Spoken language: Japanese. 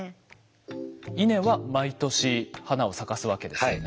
稲は毎年花を咲かすわけですよね？